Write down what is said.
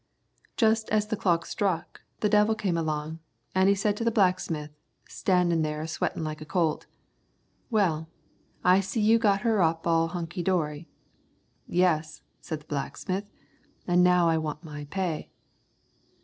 "Just as the clock struck, the devil come along, an' he said to the blacksmith, standin' there a sweatin' like a colt, 'Well, I see you got her all up hunkey dorey.' 'Yes,' said the blacksmith, 'an' now I want my pay.'